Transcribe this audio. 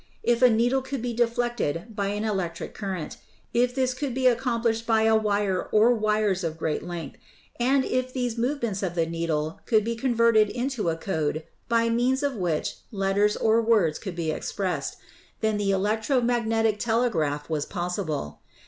If a needle could be deflected by an electric current, if this could be accomplished by a wire or wires of great length, and if these movements of the needle could be converted into a code by means of which letters or words could be expressed, then the electro magnetic telegraph was pos sible.